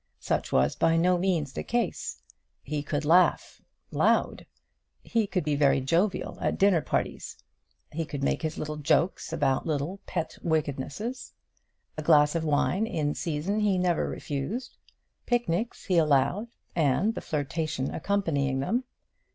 Such was by no means the case. He could laugh loud. He could be very jovial at dinner parties. He could make his little jokes about little pet wickednesses. A glass of wine, in season, he never refused. Picnics he allowed, and the flirtation accompanying them.